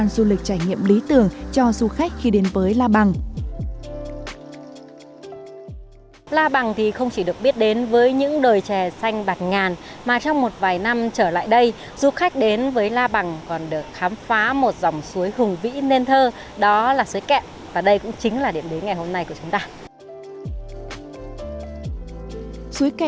xin chào và hẹn gặp lại